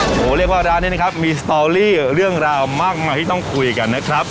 โอ้โหเรียกว่าร้านนี้นะครับมีสตอรี่เรื่องราวมากมายที่ต้องคุยกันนะครับ